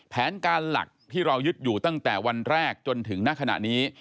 แผนการหลักที่เรายึดอยู่ตั้งแต่วันแรกจนถึงณขณะนี้